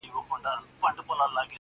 په فریاد یې وو پر ځان کفن څیرلی!